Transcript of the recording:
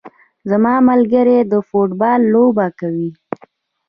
زما ملګري د فوټبال لوبه کوي